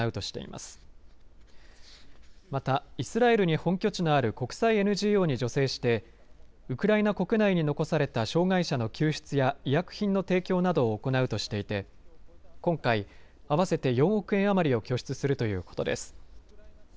またイスラエルに本拠地のある国際ＮＧＯに助成してウクライナ国内に残された障害者の救出や医薬品の提供などを行うとしていて今回、合わせて４億円余りを拠出するということです。